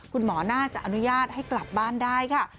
คุณหมอน่าจะอนุญาตให้กลับบ้านได้ค่ะ